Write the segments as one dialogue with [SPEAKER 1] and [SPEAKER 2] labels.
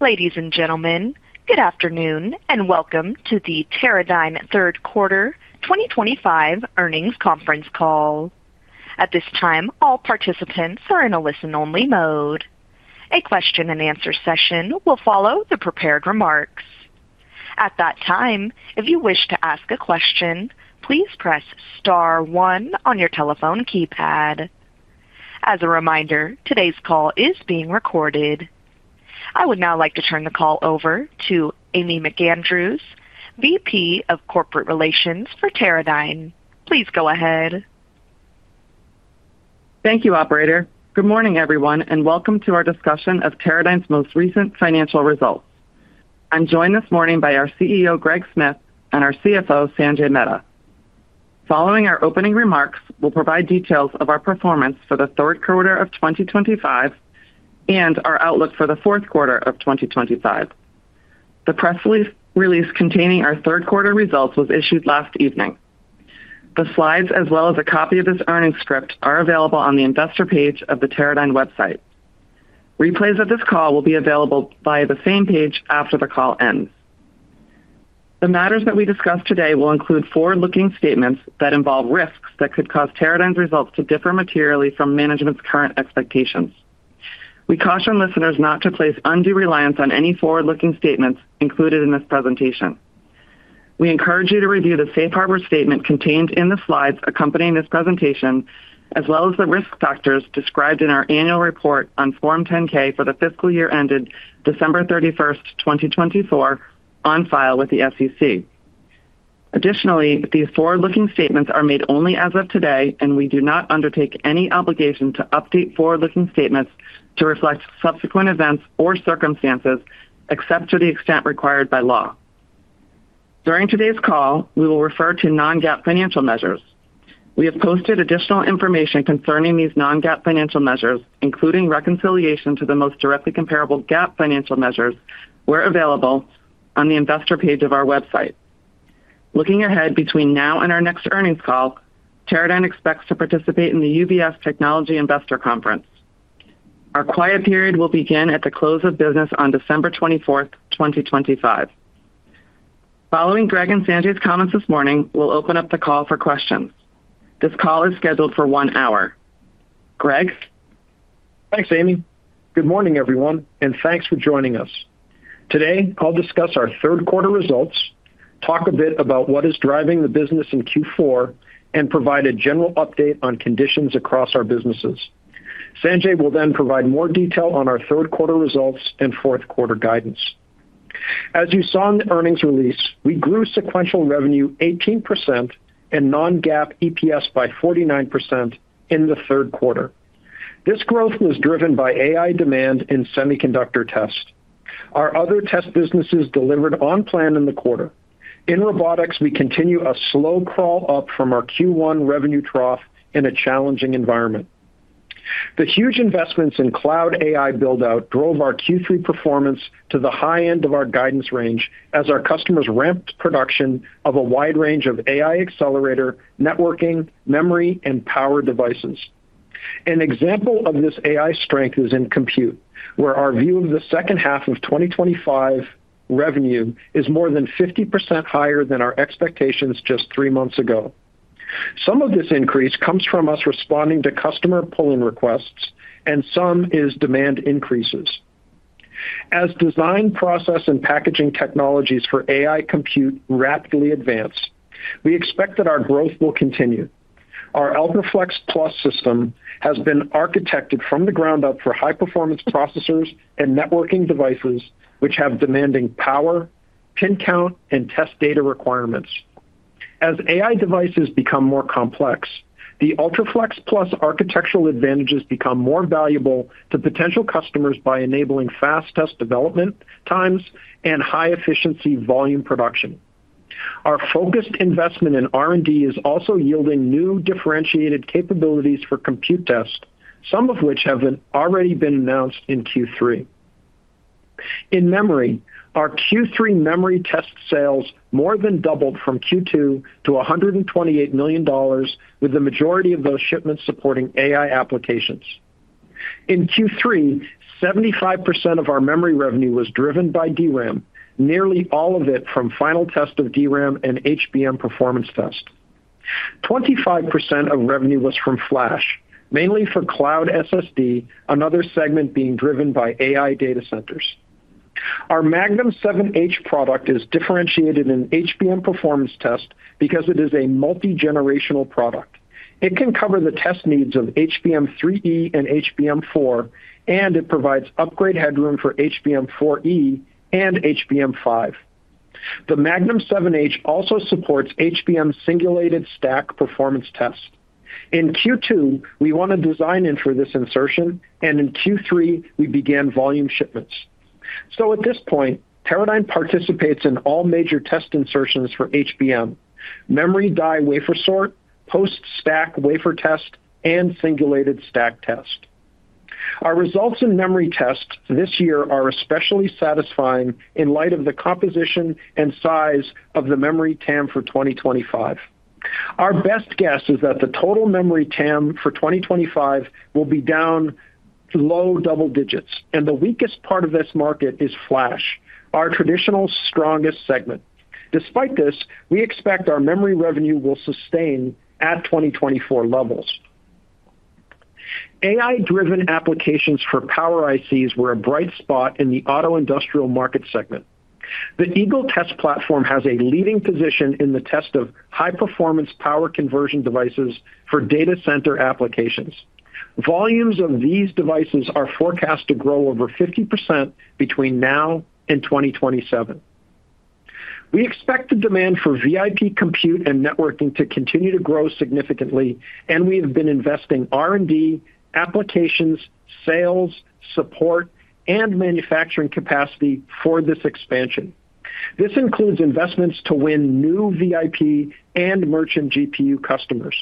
[SPEAKER 1] Ladies and gentlemen, good afternoon and welcome to the Teradyne third quarter 2025 earnings conference call. At this time, all participants are in a listen only mode. A question and answer session will follow the prepared remarks at that time. If you wish to ask a question, please press star one on your telephone keypad. As a reminder, today's call is being recorded. I would now like to turn the call over to Amy McAndrews, Vice President of Corporate Relations for Teradyne. Please go ahead.
[SPEAKER 2] Thank you, operator. Good morning everyone and welcome to our discussion of Teradyne's most recent financial results. I'm joined this morning by our CEO Greg Smith and our CFO Sanjay Mehta. Following our opening remarks, we'll provide details of our performance for the third quarter of 2025 and our outlook for the fourth quarter of 2025. The press release containing our third quarter results was issued last evening. The slides as well as a copy of this earnings script are available on the investor page of the Teradyne website. Replays of this call will be available via the same page after the call ends, the matters that we discuss today will include forward-looking statements that involve risks that could cause Teradyne's results to differ materially from management's current expectations. We caution listeners not to place undue reliance on any forward-looking statements included in this presentation. We encourage you to review the safe harbor statement contained in the slides accompanying this presentation, as well as the risk factors described in our annual report on Form 10-K for the fiscal year ended December 31st, 2024, on file with the SEC. Additionally, these forward-looking statements are made only as of today, and we do not undertake any obligation to update forward-looking statements to reflect subsequent events or circumstances except to the extent required by law. During today's call, we will refer to non-GAAP financial measures. We have posted additional information concerning these.on-GAAP financial measures including reconciliation to the most directly comparable GAAP financial measures. Where available on the investor page of our website. Looking ahead, between now and our next earnings call, Teradyne expects to participate in the UBS Technology Investor Conference. Our quiet period will begin at the close of business on December 24, 2025. Following Greg and Sanjay's comments this morning, we'll open up the call for questions. This call is scheduled for one hour.
[SPEAKER 3] Thanks, Amy. Good morning, everyone, and thanks for joining us today. I'll discuss our third quarter results, talk a bit about what is driving the business in Q4, and provide a general update on conditions across our businesses. Sanjay will then provide more detail on our third quarter results and fourth quarter guidance. As you saw in the earnings release, we grew sequential revenue 18% and non-GAAP EPS by 49% in the third quarter. This growth was driven by AI demand in semiconductor test. Our other test businesses delivered on plan in the quarter. In robotics, we continue a slow crawl up from our Q1 revenue trough in a challenging environment. The huge investments in cloud AI buildout drove our Q3 performance to the high end of our guidance range as our customers ramped production of a wide range of AI, accelerator, networking, memory, and power devices. An example of this AI strength is in compute, where our view of the second half of 2025 revenue is more than 50% higher than our expectations just three months ago. Some of this increase comes from us responding to customer pull-in requests, and some is demand increases as design, process, and packaging technologies for AI compute rapidly advance. We expect that our growth will continue. Our UltraFLEXplus system has been architected from the ground up for high performance processors and networking devices, which have demanding power, pin count, and test data requirements. As AI devices become more complex, the UltraFLEXplus architectural advantages become more valuable to potential customers by enabling fast test development times and high efficiency volume production. Our focused investment in R&D is also yielding new differentiated capabilities for compute tests, some of which have already been announced in Q3. In memory, our Q3 memory test sales more than doubled from Q2 to $128 million, with the majority of those shipments supporting AI applications. In Q3, 75% of our memory revenue was driven by DRAM, nearly all of it from final test of DRAM and HBM performance test. 25% of revenue was from flash, mainly for cloud SSD, another segment being driven by AI data centers. Our Magnum 7H product is differentiated in HBM performance test because it is a multi-generational product. It can cover the test needs of HBM3E and HBM4, and it provides upgrade headroom for HBM4E and HBM5. The Magnum 7H also supports HBM singulated stack performance test. In Q2 we won a design in for this insertion, and in Q3 we began volume shipments. At this point, Teradyne participates in all major test insertions for HBM memory die wafer sort, post stack wafer test, and singulated stack test. Our results in memory test this year are especially satisfying in light of the composition and size of the memory TAM for 2025. Our best guess is that the total memory TAM for 2025 will be down low double digits, and the weakest part of this market is Flash, our traditional strongest segment. Despite this, we expect our memory revenue will sustain at 2024 levels. AI-driven applications for power ICs were a bright spot in the auto industrial market segment. The EGLE test platform has a leading position in the test of high performance power conversion devices for data center applications. Volumes of these devices are forecast to grow over 50% between now and 2027. We expect the demand for VIP compute and networking to continue to grow significantly, and we have been investing R&D, applications, sales support, and manufacturing capacity for this expansion. This includes investments to win new VIP and merchant GPU customers.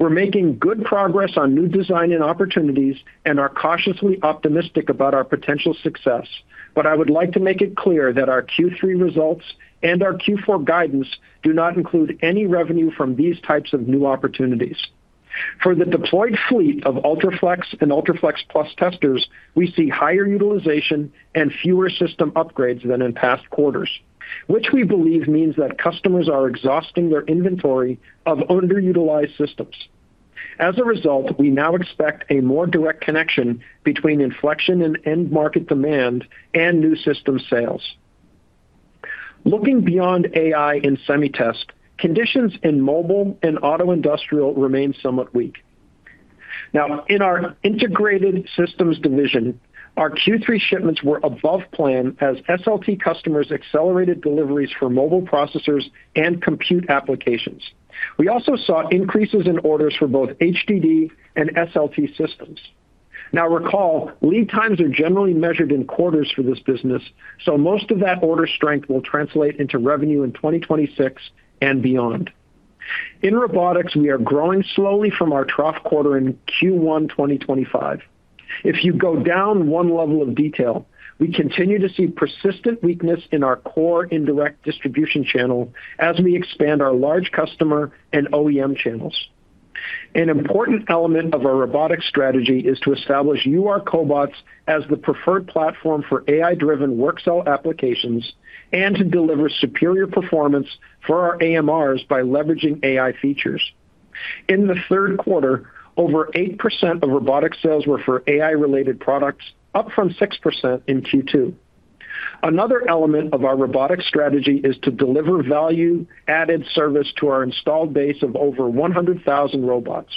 [SPEAKER 3] We're making good progress on new design and opportunities and are cautiously optimistic about our potential success. I would like to make it clear that our Q3 results and our Q4 guidance do not include any revenue from these types of new opportunities. For the deployed fleet of UltraFLEX and UltraFLEXplus testers, we see higher utilization and fewer system upgrades than in past quarters, which we believe means that customers are exhausting their inventory of underutilized systems. As a result, we now expect a more direct connection between inflection and end market demand and new system sales. Looking beyond AI in semiconductor test, conditions in mobile and auto industrial remain somewhat weak. In our Integrated Systems division, our Q3 shipments were above plan as SLT customers accelerated deliveries for mobile processors and compute applications. We also saw increases in orders for both HDD and SLT systems. Recall lead times are generally measured in quarters for this business, so most of that order strength will translate into revenue in 2026 and beyond. In robotics, we are growing slowly from our trough quarter in Q1 2025. If you go down one level of detail, we continue to see persistent weakness in our core indirect distribution channel as we expand our large customer and OEM channels. An important element of our robotics strategy is to establish UR cobots as the preferred platform for AI-driven work cell applications and to deliver superior performance for our AMRs by leveraging AI FE. In the third quarter, over 8% of robotics sales were for AI-related products, up from 6% in Q2. Another element of our robotics strategy is to deliver value-added service to our installed base of over 100,000 robots.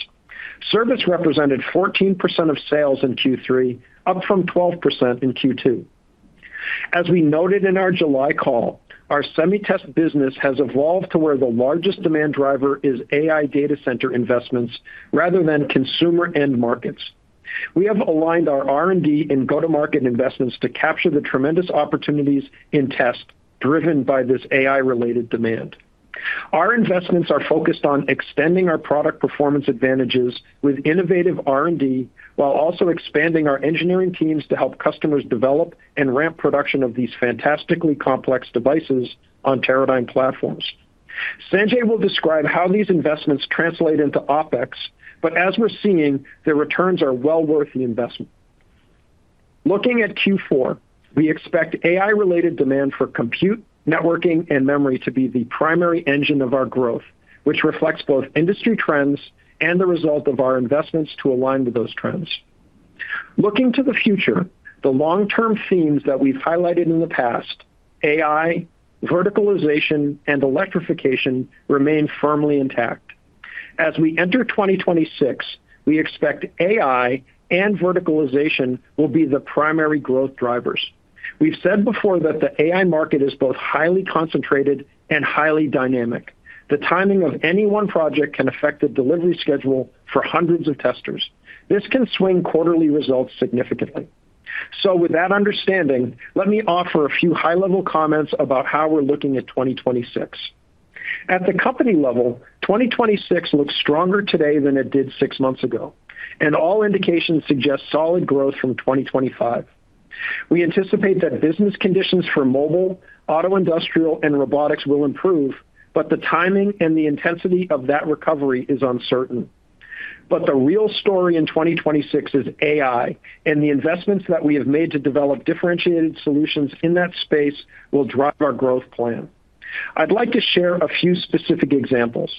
[SPEAKER 3] Service represented 14% of sales in Q3, up from 12% in Q2. As we noted in our July call, our semiconductor test business has evolved to where the largest demand driver is AI data center investments rather than consumer end markets. We have aligned our R&D and go-to-market investments to capture the tremendous opportunities in test driven by this AI-related demand. Our investments are focused on extending our product performance advantages with innovative R&D while also expanding our engineering teams to help customers develop and ramp production of these fantastically complex devices on Teradyne platforms. Sanjay will describe how these investments translate into OpEx, but as we're seeing, the returns are well worth the investment. Looking at Q4, we expect AI-related demand for compute, networking, and memory to be the primary engine of our growth, which reflects both industry trends and the result of our investments to align with those trends. Looking to the future, the long-term themes that we've highlighted in the past, AI verticalization and electrification, remain firmly intact. As we enter 2026, we expect AI and verticalization will be the primary growth drivers. We've said before that the AI market is both highly concentrated and highly dynamic. The timing of any one project can affect the delivery schedule for hundreds of testers. This can swing quarterly results significantly. With that understanding, let me offer a few high-level comments about how we're looking at 2026. At the company level, 2026 looks stronger today than it did six months ago and all indications suggest solid growth from 2025. We anticipate that business conditions for mobile, auto, industrial, and robotics will improve, but the timing and the intensity of that recovery is uncertain. The real story in 2026 is AI and the investments that we have made to develop differentiated solutions in that space will drive our growth plan. I'd like to share a few specific examples.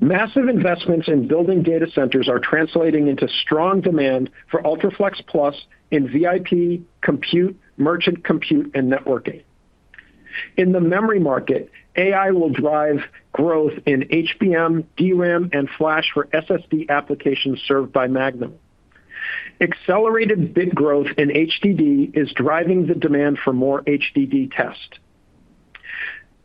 [SPEAKER 3] Massive investments in building data centers are translating into strong demand for UltraFLEXplus in VIP compute, merchant compute, and networking. In the memory market, AI will drive growth in HBM, DRAM, and Flash for SSD applications served by Magnum. Accelerated bit growth in HDD is driving the demand for more HDD test.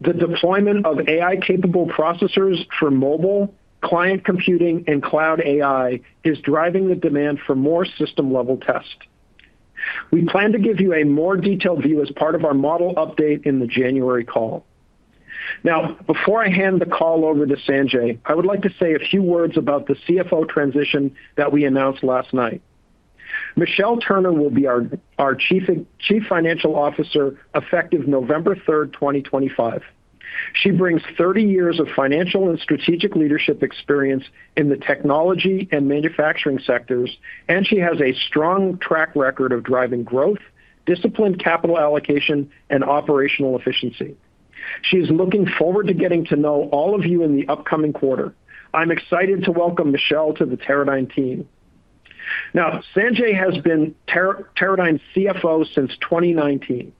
[SPEAKER 3] The deployment of AI capable processors for mobile, client computing, and cloud AI is driving the demand for more system level test. We plan to give you a more detailed view as part of our model update in the January call. Now, before I hand the call over to Sanjay, I would like to say a few words about the CFO transition that we announced last night. Michelle Turner will be our Chief Financial Officer effective November 3, 2025. She brings 30 years of financial and strategic leadership experience in the technology and manufacturing sectors, and she has a strong track record of driving growth, disciplined capital allocation, and operational efficiency. She is looking forward to getting to know all of you in the upcoming quarter. I'm excited to welcome Michelle to the Teradyne team. Sanjay has been Teradyne's CFO since 2019,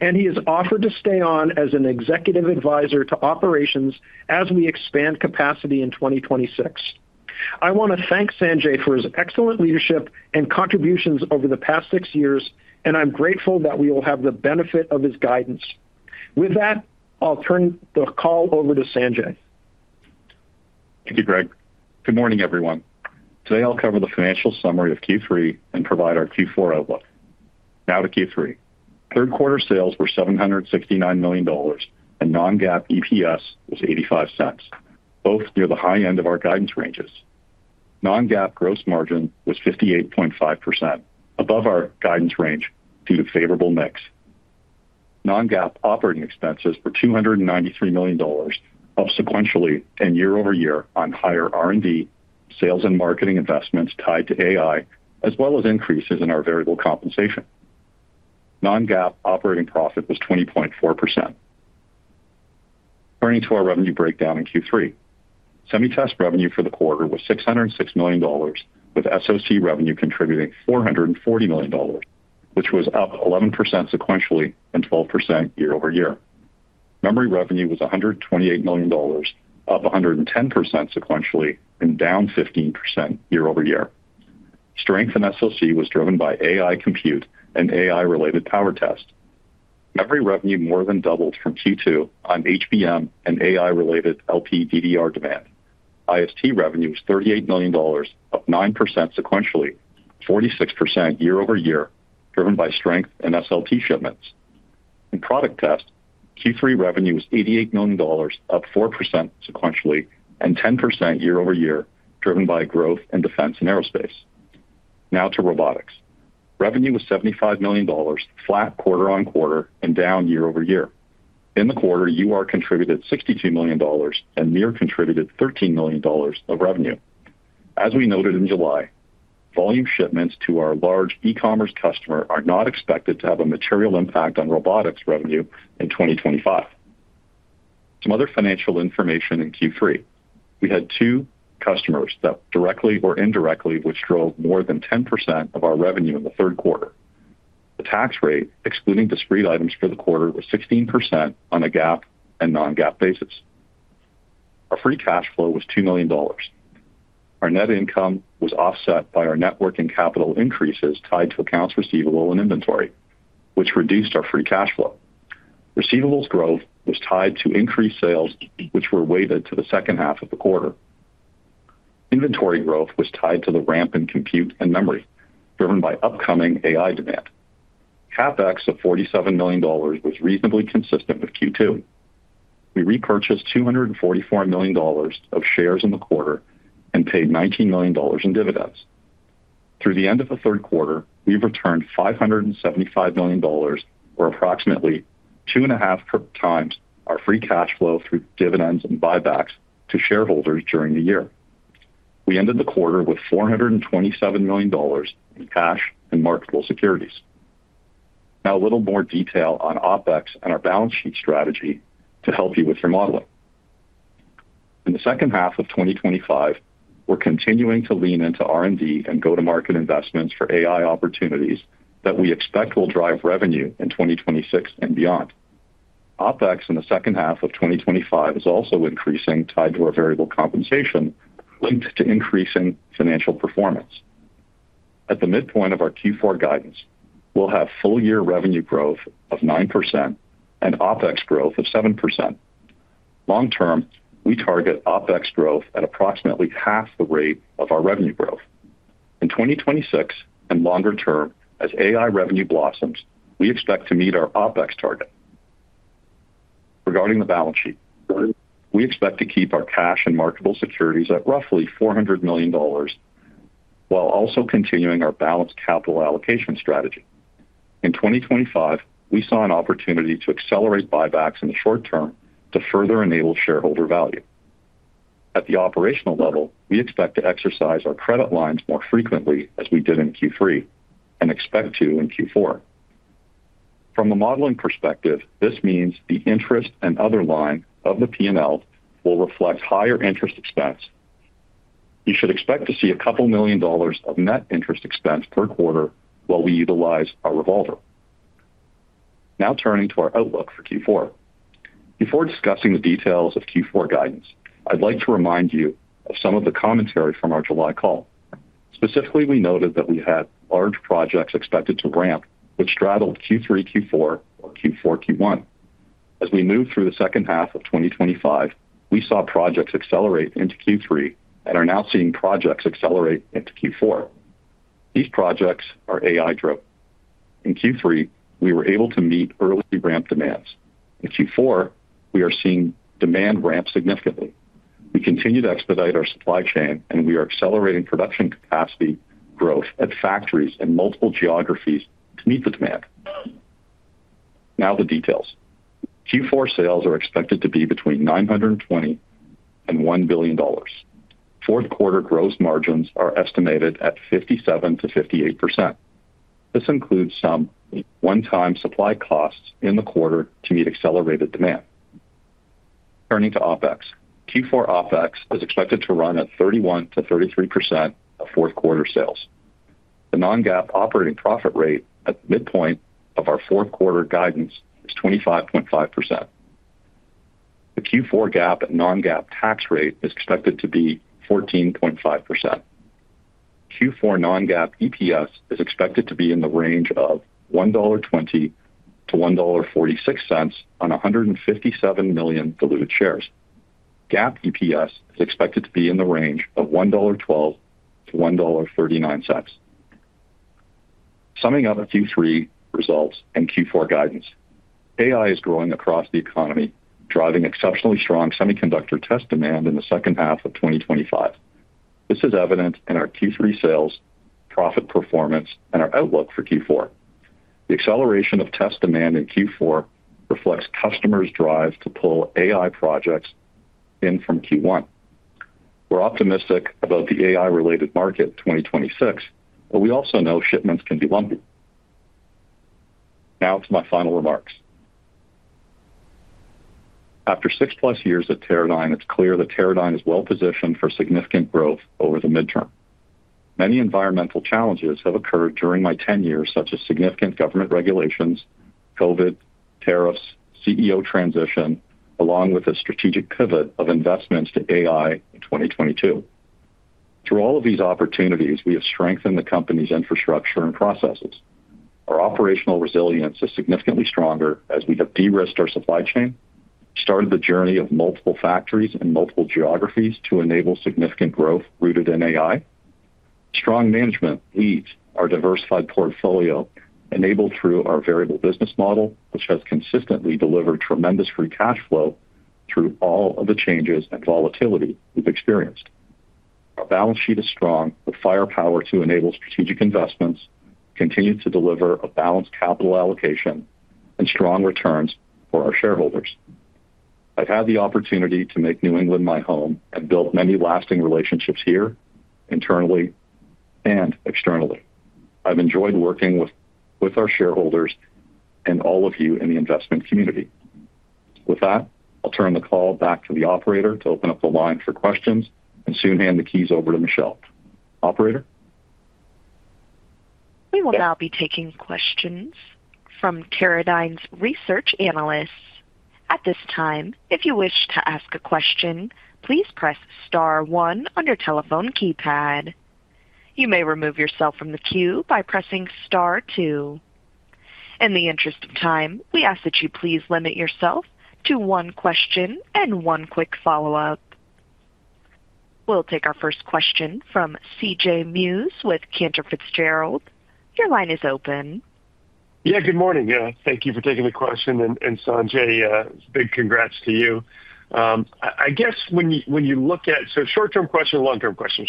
[SPEAKER 3] and he has offered to stay on as an Executive Advisor to Operations as we expand capacity in 2026. I want to thank Sanjay for his excellent leadership and contributions over the past six years, and I'm grateful that we will have the benefit of his guidance. With that, I'll turn the call over to Sanjay.
[SPEAKER 4] Thank you, Greg. Good morning everyone. Today I'll cover the financial summary of Q3 and provide our Q4 outlook. Now to Q3, third quarter sales were $769 million and non-GAAP EPS was $0.85, both near the high end of our guidance ranges. Non-GAAP gross margin was 58.5%, above our guidance range due to favorable mix. Non-GAAP operating expenses were $293 million, up sequentially and year-over-year on higher R&D, sales and marketing investments tied to AI as well as increases in our variable compensation. Non-GAAP operating profit was 20.4%. Turning to our revenue breakdown in Q3, semiconductor test revenue for the quarter was $606 million with SoC revenue contributing $440 million, which was up 11% sequentially and 12% year-over-year. Memory revenue was $128 million, up 110% sequentially and down 15% year-over-year. Strength in SoC was driven by AI, compute and AI-related power test. Memory revenue more than doubled from Q2 on HBM and AI-related LPDDR demand. IST revenue was $38 million, up 9% sequentially and 46% year-over-year, driven by strength in SLT shipments in product test. Q3 revenue was $88 million, up 4% sequentially and 10% year-over-year, driven by growth in defense and aerospace. Now to Robotics, revenue was $75 million, flat quarter on quarter and down year-over-year. In the quarter, Universal Robots contributed $62 million and Mobile Industrial Robots contributed $13 million of revenue. As we noted in July, volume shipments to our large e-commerce customer are not expected to have a material impact on robotics revenue in 2025. Some other financial information: in Q3 we had two customers that directly or indirectly drove more than 10% of our revenue in the third quarter. The tax rate excluding discrete items for the quarter was 16% on a GAAP and non-GAAP basis. Our free cash flow was $2 million. Our net income was offset by our net working capital increases tied to accounts receivable and inventory, which reduced our free cash flow. Receivables growth was tied to increased sales, which were weighted to the second half of the quarter. Inventory growth was tied to the ramp in compute and memory driven by upcoming AI demand. CapEx of $47 million was reasonably consistent with Q2. We repurchased $244 million of shares in the quarter and paid $19 million in dividends. Through the end of the third quarter, we've returned $575 million, or approximately 2.5x our free cash flow through dividends and buybacks to shareholders during the year. We ended the quarter with $427 million in cash and marketable securities. Now a little more detail on OPEX and our balance sheet strategy to help you with your modeling. In the second half of 2025, we're continuing to lean into R&D and go to market investments for AI opportunities that we expect will drive revenue in 2026 and beyond. OPEX in the second half of 2025 is also increasing, tied to our variable compensation linked to increasing financial performance. At the midpoint of our Q4 guidance, we'll have full year revenue growth of 9% and OPEX growth of 7%. Long term, we target OPEX growth at approximately half the rate of our revenue growth in 2026 and longer term, as AI revenue blossoms, we expect to meet our OPEX target. Regarding the balance sheet, we expect to keep our cash and marketable securities at roughly $400 million while also continuing our balanced capital allocation strategy. In 2025, we saw an opportunity to accelerate buybacks in the short term to further enable shareholder value. At the operational level, we expect to exercise our credit lines more frequently as we did in Q3 and expect to in Q4. From a modeling perspective, this means the interest and other line of the P&L will reflect higher interest expense. You should expect to see a couple million dollars of net interest expense per quarter while we utilize our revolver. Now turning to our outlook for Q4, before discussing the details of Q4 guidance, I'd like to remind you of some of the commentary from our July call. Specifically, we noted that we had large projects expected to ramp which straddled Q3 Q4 or Q4 Q1. As we move through the second half of 2025, we saw projects accelerate into Q3 and are now seeing projects accelerate into Q4. These projects are AI driven. In Q3, we were able to meet early ramp demands. In Q4, we are seeing demand ramp significantly. We continue to expedite our supply chain, and we are accelerating production capacity growth at factories in multiple geographies to meet the demand. Now the details: Q4 sales are expected to be between $920 million and $1 billion. Fourth quarter gross margins are estimated at 57%-58%. This includes some one-time supply costs in the quarter to meet accelerated demand. Turning to OPEX, Q4 OPEX is expected to run at 31%-33% of fourth quarter sales. The non-GAAP operating profit rate at the midpoint of our fourth quarter guidance is 25.5%. The Q4 GAAP and non-GAAP tax rate is expected to be 14.5%. Q4 non-GAAP EPS is expected to be in the range of $1.20-$1.46 on 157 million diluted shares. GAAP EPS is expected to be in the range of $1.12-$1.39. Summing up our Q3 results and Q4 guidance, AI is growing across the economy, driving exceptionally strong semiconductor test demand in the second half of 2025. This is evident in our Q3 sales, profit performance, and our outlook for Q4. The acceleration of test demand in Q4 reflects customers' drive to pull AI projects in from Q1. We're optimistic about the AI-related market in 2026, but we also know shipments can be lumpy. Now to my final remarks. After six plus years at Teradyne, it's clear that Teradyne is well positioned for significant growth over the midterm. Many environmental challenges have occurred during my 10 years, such as significant government regulations, Covid, tariffs, CEO transition, along with a strategic pivot of investments to AI in 2022. Through all of these opportunities, we have strengthened the company's infrastructure and processes. Our operational resilience is significantly stronger as we have de-risked our supply chain, started the journey of multiple factories and multiple geographies to enable significant growth rooted in AI. Strong management leads our diversified portfolio enabled through our variable business model, which has consistently delivered tremendous free cash flow. Through all of the changes and volatility we've experienced, our balance sheet is strong with firepower to enable strategic investments, continue to deliver a balanced capital allocation, and strong returns for our shareholders. I've had the opportunity to make New England my home and built many lasting relationships here, internally and externally. I've enjoyed working with our shareholders and all of you in the investment community. With that, I'll turn the call back to the operator to open up the line for questions and soon hand the keys over to Michelle. Operator.
[SPEAKER 1] We will now be taking questions from Teradyne's research analysts at this time. If you wish to ask a question, please press Star one on your telephone keypad. You may remove yourself from the queue by pressing Star two. In the interest of time, we ask that you please limit yourself to one question and one quick follow-up. We'll take our first question from CJ Muse with Cantor Fitzgerald. Your line is open.
[SPEAKER 5] Good morning. Thank you for taking the question. Sanjay, big congrats to you. I guess when you look at short term question, long term question,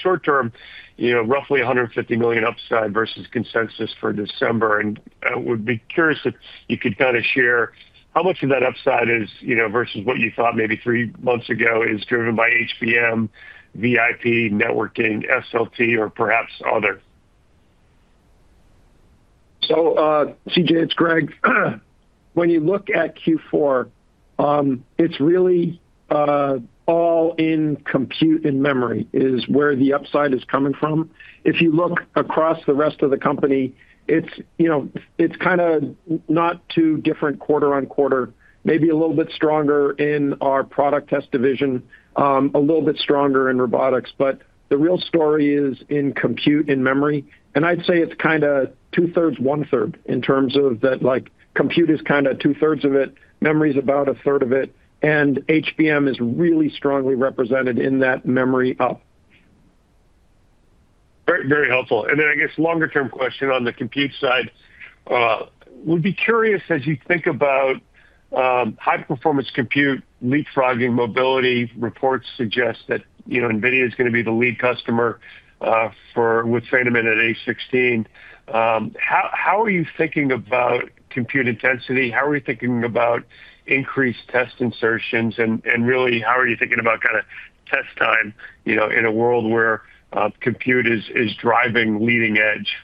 [SPEAKER 5] short term, you know, roughly $150 million upside versus consensus for December. I would be curious if you could kind of share how much of that upside is, you know, versus what you thought maybe three months ago is driven by HBM, VIP networking, SLT or perhaps others.
[SPEAKER 3] CJ, it's Greg. When you look at Q4, it's really all in compute and memory is where the upside is coming from. If you look across the rest of the company, it's, you know, it's kind of not too different quarter on quarter, maybe a little bit stronger in our product test division, a little bit stronger in robotics. The real story is in compute and memory. I'd say it's kind of 2/3, 1/3 in terms of that, like compute is kind of 2/3 of it, memory is about a third of it, and HBM is really strongly represented in that memory up.
[SPEAKER 5] Very helpful. I guess longer term question on the compute side, would be curious as you think about high performance compute leapfrogging mobility reports suggest that, you know, NVIDIA is going to be the lead customer for with Feynman at a 16. How are you thinking about compute intensity? How are you thinking about increased test insertions, and really how are you thinking about kind of test time? You know, in a world where compute is driving leading edge.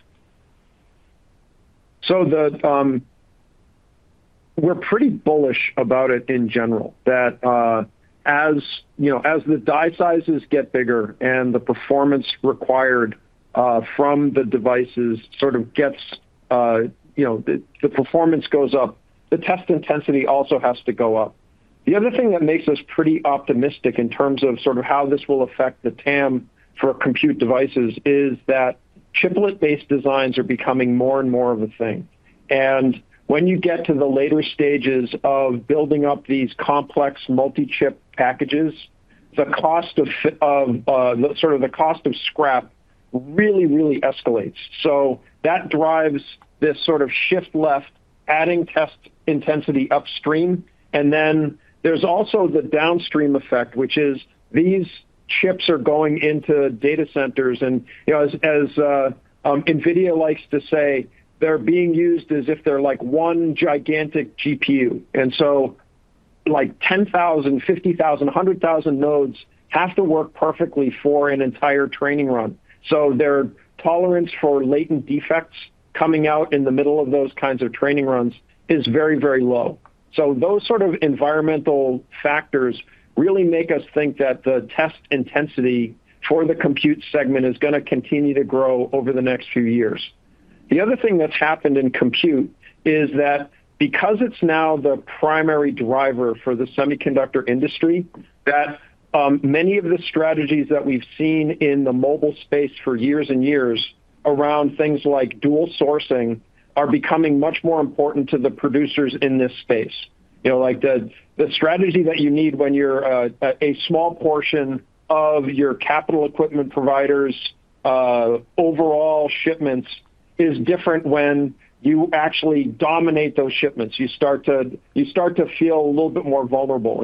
[SPEAKER 3] We're pretty bullish about it in general that as you know, as the die sizes get bigger and the performance required from the devices sort of gets, you know, the performance goes up, the test intensity also has to go up. The other thing that makes us pretty optimistic in terms of sort of how this will affect the TAM for compute devices is that chiplet based designs are becoming more and more of a thing. When you get to the later stages of building up these complex multi chip packages, the cost of, of sort of the cost of scrap really, really escalates. That drives this sort of shift left adding test intensity upstream. There is also the downstream effect which is these chips are going into data centers and as NVIDIA likes to say they're being used as if they're like one gigantic GPU. Like 10,000, 50,000, 100,000 nodes have to work perfectly for an entire training run. Their tolerance for latent defects coming out in the middle of those kinds of training runs is very, very low. Those sort of environmental factors really make us think that the test intensity for the compute segment is going to continue to grow over the next few years. The other thing that's happened in compute is that because it's now the primary driver for the semiconductor industry, many of the strategies that we've seen in the mobile space for years and years around things like dual sourcing are becoming much more important to the producers in this space. The strategy that you need when you're a small portion of your capital equipment providers overall shipments is different. When you actually dominate those shipments, you start to feel a little bit more vulnerable.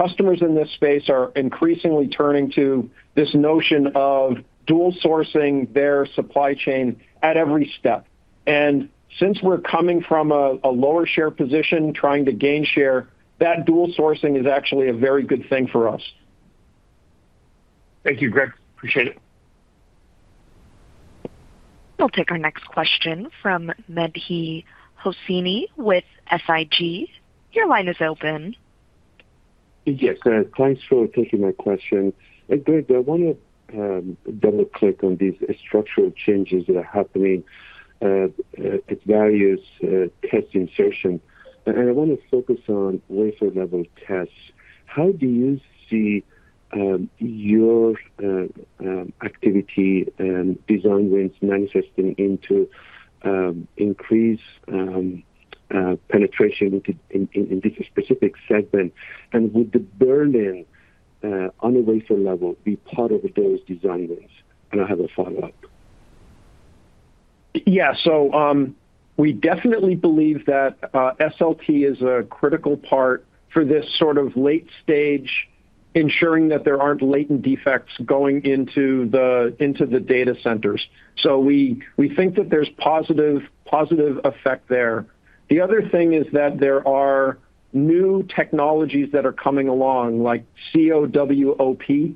[SPEAKER 3] Customers in this space are increasingly turning to this notion of dual sourcing their supply chain at every step. Since we're coming from a lower share position trying to gain share, that dual sourcing is actually a very good thing for us.
[SPEAKER 5] Thank you, Greg. Appreciate it.
[SPEAKER 1] We'll take our next question from Mehdi Hosseini with SIG. Your line is open.
[SPEAKER 6] Yes, thanks for taking my question, Greg. I want to double-click on these structural changes that are happening at various test insertion, and I want to focus on wafer level tests. How do you see your activity design wins manifesting into increased penetration in this specific segment? Would the Berlin on a wafer level be part of those design wins? I have a follow up.
[SPEAKER 3] Yeah, we definitely believe that SLT is a critical part for this sort of late stage, ensuring that there aren't latent defects going into the data centers. We think that there's positive effect there. The other thing is that there are new technologies that are coming along like CoWoP,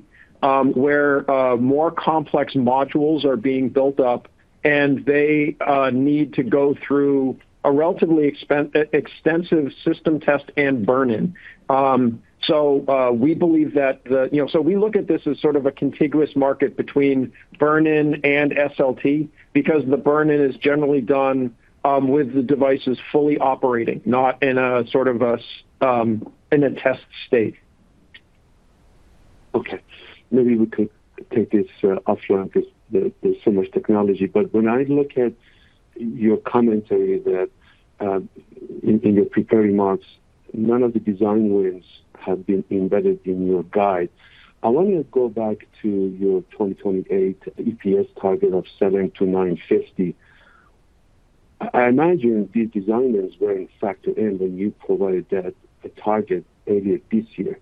[SPEAKER 3] where more complex modules are being built up and they need to go through a relatively expensive, extensive system test and burn in. We believe that, you know, we look at this as sort of a contiguous market between burn in and SLT because the burn in is generally done with the devices fully operating, not in a sort of in a test state.
[SPEAKER 6] Okay, maybe we could take this offline because there's so much technology. When I look at your commentary that in your prepared remarks, none of the design wins have been embedded in your guide, I want to go back to your 2028, the EPS target of $7-$9.50. I imagine these designers were in fact when you provided that target earlier this year,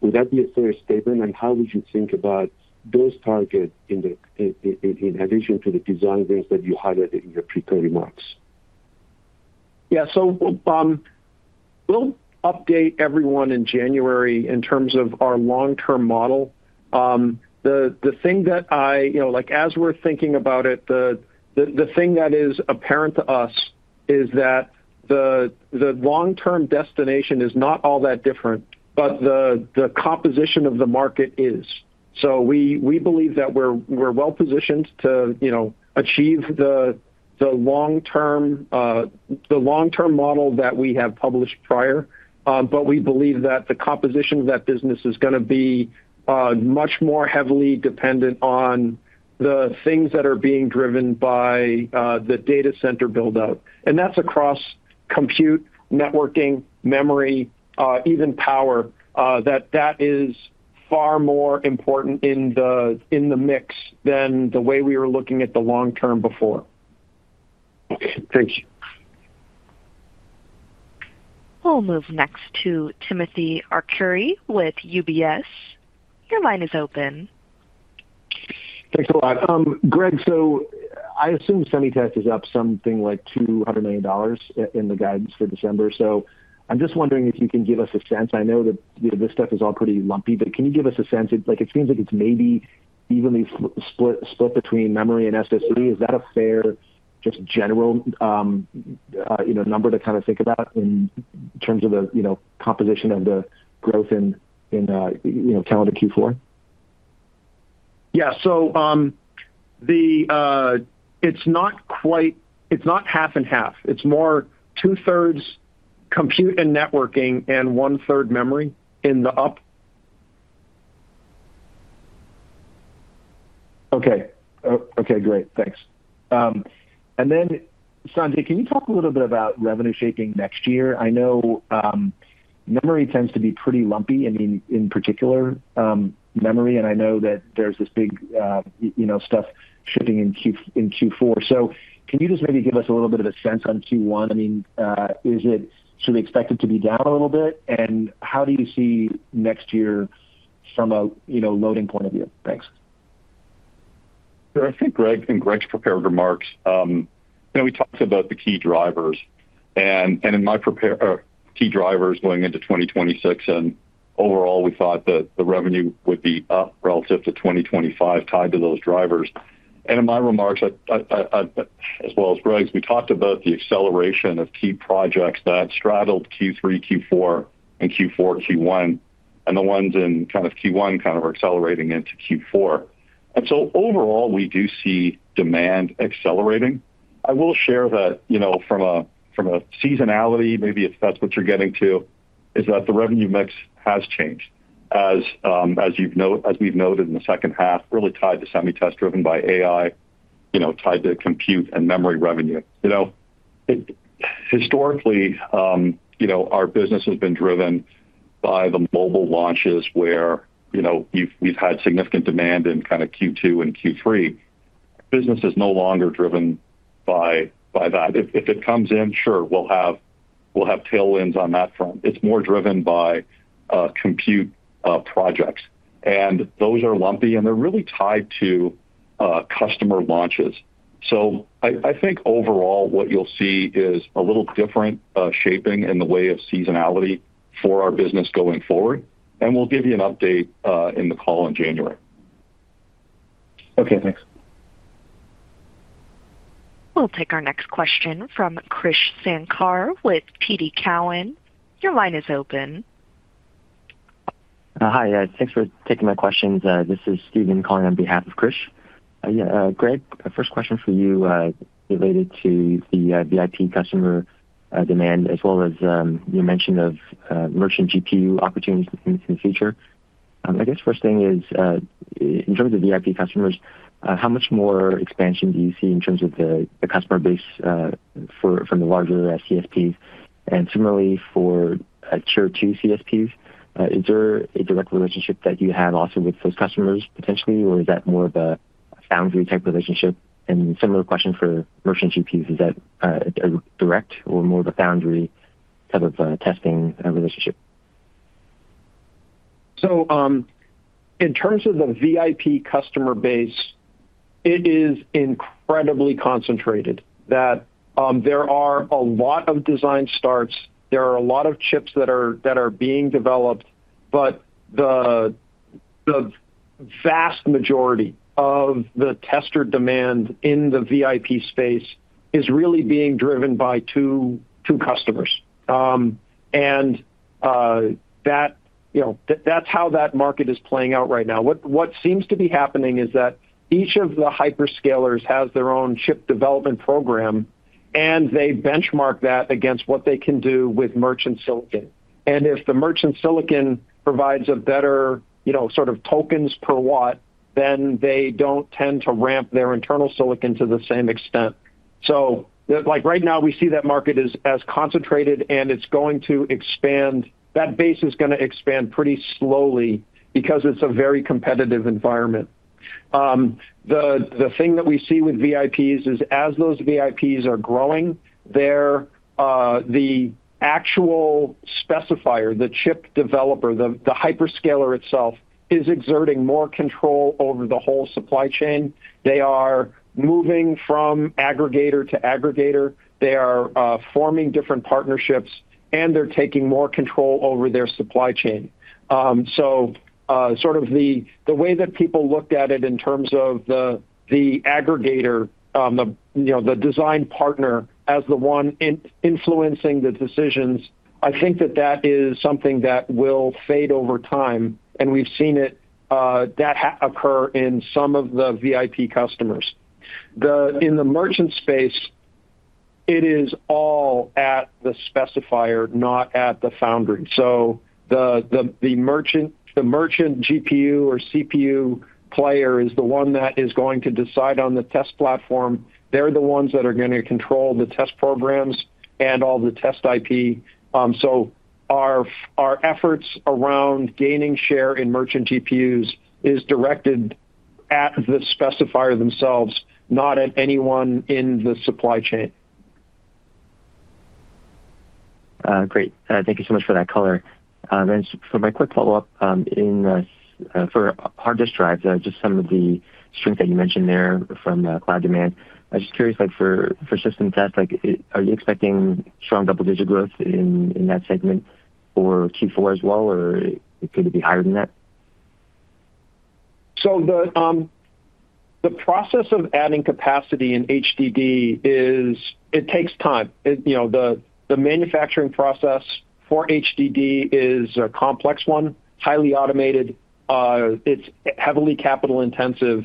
[SPEAKER 6] would that be fair statement, and how would you think about those targets in addition to the design wins that you highlighted in your prepared remarks? Yeah.
[SPEAKER 3] We will update everyone in January. In terms of our long term model, the thing that, you know, as we're thinking about it, the thing that is apparent to us is that the long term destination is not all that different, but the composition of the market is. We believe that we're well positioned to, you know, achieve the long term model that we have published prior. We believe that the composition of that business is going to be much more heavily dependent on the things that are being driven by the data center buildup, and that's across compute, networking, memory, even power. That is far more important in the mix than the way we were looking at the long term before.
[SPEAKER 6] Thank you.
[SPEAKER 1] We'll move next to Timothy Arcuri with UBS. Your line is open.
[SPEAKER 7] Thanks a lot, Greg. I assume semitest is up something like $200 million in the guidance for December. I'm just wondering if you can give us a sense. I know that this stuff is all pretty lumpy, but can you give us a sense? It seems like it's maybe evenly split between memory and SSD. Is that a fair, just general number to kind of think about in terms of the composition of the growth in calendar Q4? Yeah.
[SPEAKER 3] So. It's not quite, it's not half and half. It's more 2/3 compute and networking and 1/3 memory in the up.
[SPEAKER 7] Okay, great, thanks. Sanjay, can you talk a little bit about revenue shaping next year? I know memory tends to be pretty lumpy, in particular memory, and I know that there's this big, you know, stuff shipping in Q4. Can you just maybe give us a little bit of a sense on Q1? I mean, should we expect it to be down a little bit and how do you see next year from a loading point of view? Thanks.
[SPEAKER 4] I think Greg and Greg's prepared remarks, we talked about the key drivers and in my prepared key drivers going into 2026 and overall we thought that the revenue would be up relative to 2025 tied to those drivers. In my remarks as well as Greg's, we talked about the acceleration of key projects that straddled Q3, Q4, and Q4, Q1, and the ones in kind of Q1 are accelerating into Q4. Overall, we do see demand accelerating. I will share that, from a seasonality maybe, if that's what you're getting to, the revenue mix has changed as we've noted in the second half, really tied to semiconductor test driven by AI, tied to compute and memory revenue. Historically, our business has been driven by the mobile launches where we've had significant demand in Q2 and Q3. Business is no longer driven by that. If it comes in, sure, we'll have tailwinds on that front. It's more driven by compute projects and those are lumpy and they're really tied to customer launches. I think overall what you'll see is a little different shaping in the way of seasonality for our business going forward. We'll give you an update in the call in January.
[SPEAKER 7] Okay, thanks.
[SPEAKER 1] We'll take our next question from Krish Sankar with TD Cowen. Your line is open. Hi, thanks for taking my questions. This is Stephen calling on behalf of Krish. Greg, first question for you related to the VIP customer demand as well as your mention of merchant GPU opportunities in the future. I guess first thing is in terms of VIP customers, how much more expansion do you see in terms of the customer base from the larger CSPs, and similarly for Tier 2 CSPs, is there a direct relationship that you have also with those customers potentially, or is that more of a foundry type relationship? Similar question for merchant GPUs, is that direct or more of a foundry type of testing relationship?
[SPEAKER 3] In terms of the VIP customer base, it is incredibly, incredibly concentrated. There are a lot of design starts, there are a lot of chips that are being developed. The vast majority of the tester demand in the VIP space is really being driven by two customers. That is how that market is playing out right now. What seems to be happening is that each of the hyperscalers has their own chip development program and they benchmark that against what they can do with merchant silicon. If the merchant silicon provides a better, you know, sort of tokens per watt, then they do not tend to ramp their internal silicon to the same extent. Right now we see that market as concentrated and it is going to expand, that base is going to expand pretty slowly because it is a very competitive environment. The thing that we see with VIPs is as those VIPs are growing, the actual specifier, the chip developer, the hyperscaler itself is exerting more control over the whole supply chain. They are moving from aggregator to aggregator, they are forming different partnerships and they are taking more control over their supply chain. The way that people looked at it in terms of the aggregator, the design partner as the one influencing the decisions, I think that is something that will fade over time and we have seen that occur in some of the VIP customers in the merchant space. It is all at the specifier, not at the foundry. The merchant GPU or CPU player is the one that is going to decide on the test platform. They are the ones that are going to control the test programs and all the test IP. Our efforts around gaining share in merchant GPUs is directed at the specifier themselves, not at anyone in the supply chain. Great, thank you so much for that color and for my quick follow up, for hard disk drives, just some of the strength that you mentioned there from cloud demand. I was just curious, like for system test, are you expecting strong double digit growth in that segment for Q4 as well, or could it be higher than that? The process of adding capacity in HDD takes time. The manufacturing process for HDD is a complex one, highly automated, and it's heavily capital intensive,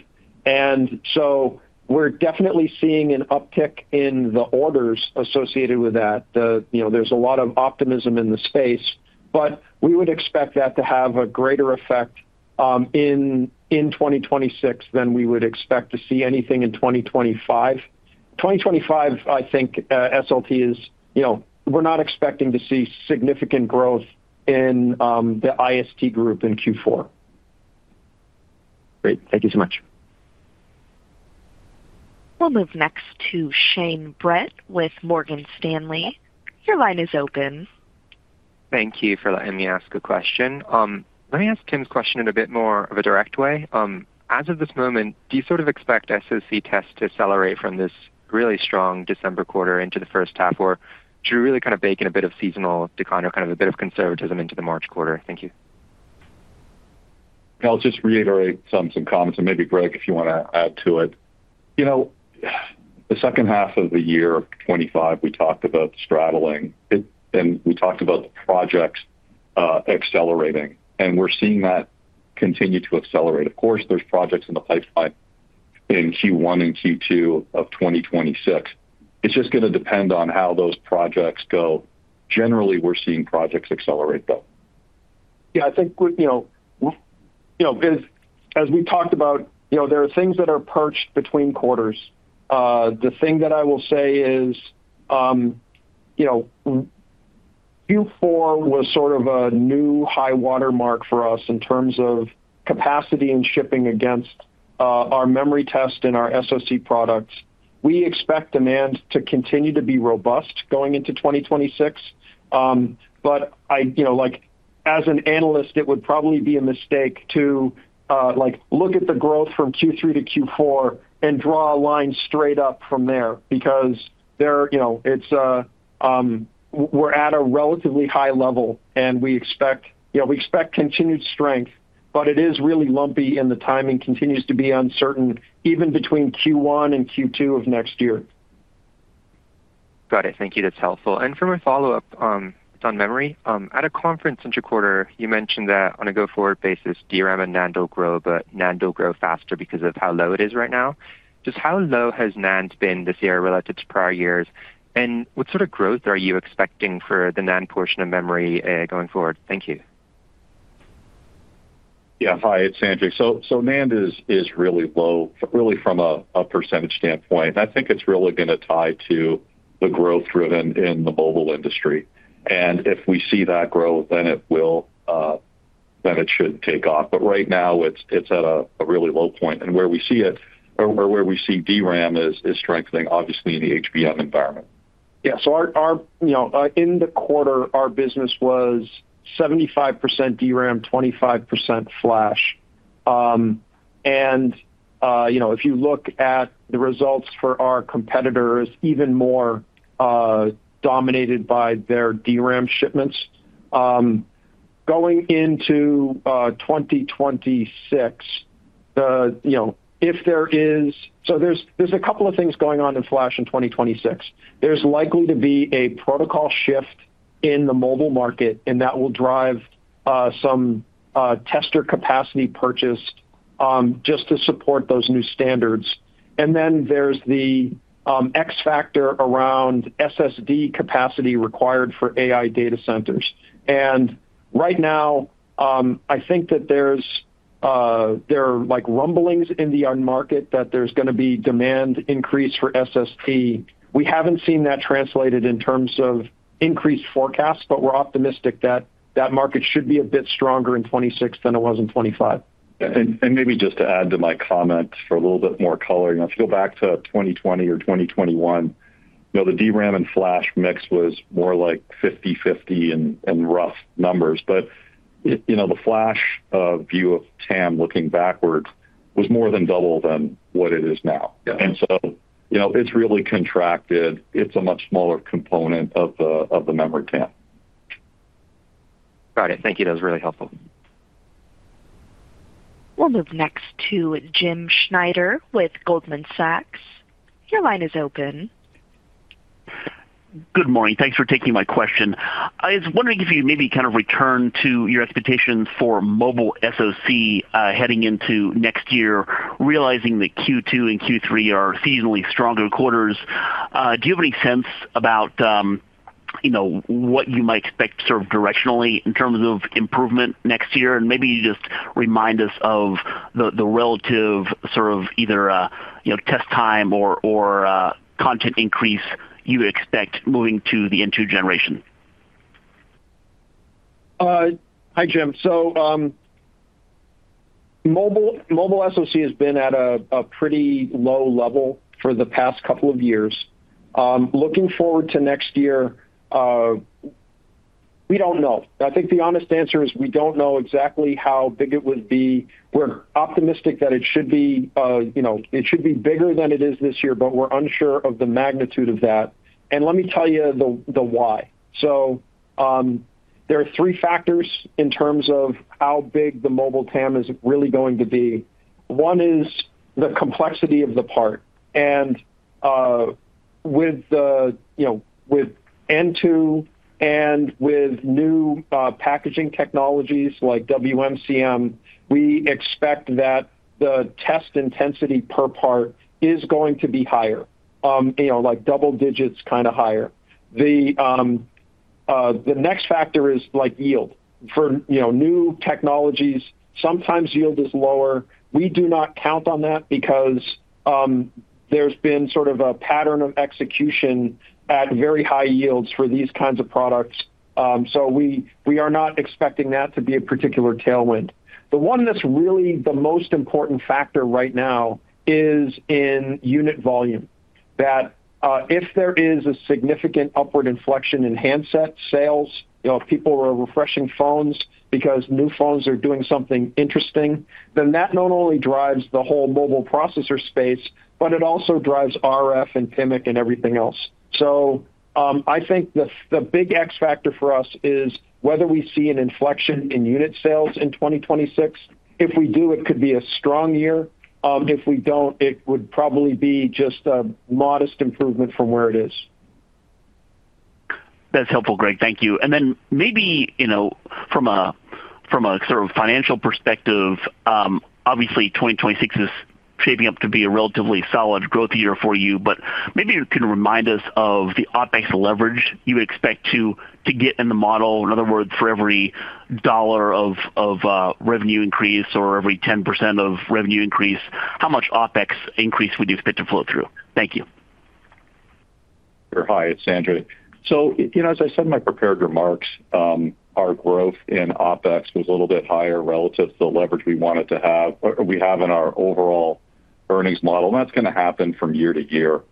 [SPEAKER 3] so we're definitely seeing an uptick in the orders associated with that. There's a lot of optimism in the space, but we would expect that to have a greater effect in 2026 than we would expect to see anything in 2025. In 2025, I think SLT is, you know, we're not expecting to see significant growth in the ist group in Q4. Great, thank you so much.
[SPEAKER 1] We'll move next to Shane Brett with Morgan Stanley. Your line is open.
[SPEAKER 8] Thank you for letting me ask a question. Let me ask Tim's question in a bit more of a direct way as of this moment. Do you sort of expect SoC test to accelerate from this really strong December quarter into the first half, or should we really kind of bake in a bit of seasonal decline or kind of a bit of conservatism into the March quarter? Thank you. I'll just reiterate some comments and maybe Greg, if you want to add to it, you know, the second half of the year, 2025, we talked about straddling and we talked about the projects accelerating and we're seeing that continue to accelerate. Of course there's projects in the pipeline in Q1 and Q2 of 2026. It's just going to depend on how those projects go. Generally we're seeing projects accelerate though.
[SPEAKER 3] I think, as we talked about, there are things that are perched between quarters. The thing that I will say is Q4 was sort of a new high watermark for us in terms of capacity and shipping against our memory test and our SoC products. We expect demand to continue to be robust going into 2026. As an analyst, it would probably be a mistake to look at the growth from Q3-Q4 and draw a line straight up from there because we're at a relatively high level and we expect continued strength, but it is really lumpy and the timing continues to be uncertain even between Q1 and Q2 of next year.
[SPEAKER 8] Got it. Thank you, that's helpful. For my follow up on memory, at a conference in your quarter, you mentioned that on a go forward basis DRAM and NAND will grow, but NAND will grow faster because of how low it is right now. Just how low has NAND been this year relative to prior years? What sort of growth are you expecting for the NAND portion of memory going forward? Thank you.
[SPEAKER 4] Yeah, hi, it's Sanjay. NAND is really low, really from a percentage standpoint. I think it's really going to tie to the growth driven in the mobile industry. If we see that growth, then it should take off. Right now it's at a really low point and where we see it or where we see DRAM is strengthening, obviously in the HBM environment.
[SPEAKER 3] Yes. In the quarter our business was 75% DRAM, 25% FLASH. If you look at the results for our competitors, even more dominated by their DRAM shipments going into 2026. There are a couple of things going on in flash in 2026. There's likely to be a protocol shift in the mobile market and that will drive some tester capacity purchased just to support those new standards. There's the X factor around SSD capacity required for AI data centers. Right now I think that there are rumblings in the market that there's going to be demand increase for SSD. We haven't seen that translated in terms of increased forecasts, but we're optimistic that that market should be a bit stronger in 2026 than it was in 2025.
[SPEAKER 4] Maybe just to add to my comment for a little bit more color, if you go back to 2020 or 2021, the DRAM and flash mix was more like 50/50 in rough numbers, but the flash view of TAM looking backwards was more than double than what it is now. It has really contracted. It's a much smaller component of the memory TAM.
[SPEAKER 8] Got it. Thank you. That was really helpful.
[SPEAKER 1] We'll move next to Jim Schneider with Goldman Sachs. Your line is open.
[SPEAKER 9] Good morning. Thanks for taking my question. I was wondering if you maybe kind of return to your expectations for Mobile SoC heading into next year, realizing that Q2 and Q3 are seasonally stronger quarters. Do you have any sense about what you might expect directionally in terms of improvement next year? Maybe you just remind us of the relative either test time or content increase you expect moving to the N2 generation.
[SPEAKER 3] Hi, Jim. Mobile SoC has been at a pretty low level for the past couple of years. Looking forward to next year, we don't know. I think the honest answer is we don't know exactly how big it would be. We're optimistic that it should be, you know, it should be bigger than it is this year, but we're unsure of the magnitude of that. Let me tell you the why. There are three factors in terms of how big the mobile TAM is really going to be. One is the complexity of the part. With N2 and with new packaging technologies like WMCM, we expect that the test intensity per part is going to be higher, like double digits kind of higher. The next factor is yield. For new technologies, sometimes yield is lower. We do not count on that because there's been sort of a pattern of execution at very high yields for these kinds of products. We are not expecting that to be a particular tailwind. The one that's really the most important factor right now is in unit volume, that if there is a significant upward inflection in handset sales, people are refreshing phones because new phones are doing something interesting, then that not only drives the whole mobile processor space, but it also drives RF and PIMIC and everything else. I think the big X factor for us is whether we see an inflection in unit sales in 2026. If we do, it could be a strong year. If we don't, it would probably be just a modest improvement from where it is.
[SPEAKER 9] That's helpful, Greg. Thank you. Maybe from a sort of financial perspective, obviously 2026 is shaping up to be a relatively solid growth year for you, but maybe you can remind us of the OPEX leverage you expect to get in the model. In other words, for every dollar of revenue increase or every 10% of revenue increase, how much OPEX increase we do expect to flow through. Thank you.
[SPEAKER 2] Hi, it's Andrew. As I said in my prepared remarks, our growth in OPEX was a little bit higher relative to the leverage we wanted to have. We have in our overall earnings model that's going to happen from year to year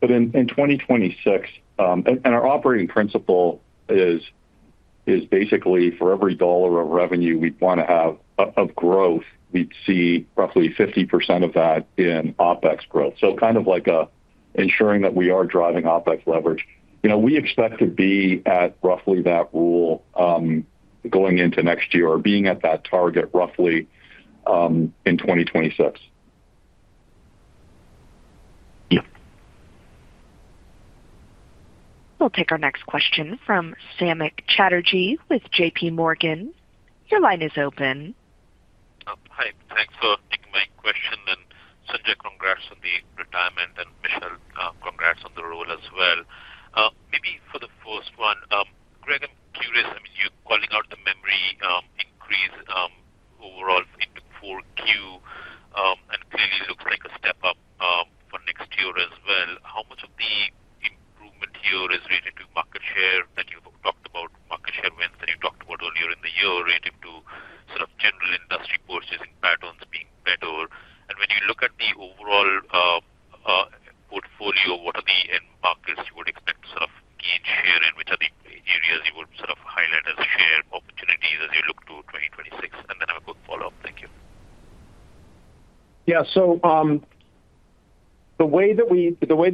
[SPEAKER 2] but in 2026. Our operating principle is, basically for every dollar of revenue we want to have of growth, we see roughly 50% of that in OPEX growth. Kind of like ensuring that we are driving OPEX leverage, you know, we expect to be at roughly that rule going into next year or being at that target roughly in 2026. Yeah.
[SPEAKER 1] We'll take our next question from Samik Chatterjee with JPMorgan. Your line is open.
[SPEAKER 10] Hi, thanks for taking my question. Sanjay, congrats on the retirement. Michelle, congrats on the role as well. For the first one, Greg, I'm curious. You're calling out the memory increase overall in 4Q and it clearly looks like a step up for next year as well. How much of the improvement here is related to market share that you talked about? Market share wins that you talked about earlier in the year relative to general industry purchasing patterns being better. When you look at the overall portfolio, what are the end markets you would expect to gain share and which are the areas you would highlight as share opportunities as you look to 2026? I have a quick follow up. Thank you.
[SPEAKER 3] Yeah, so the way that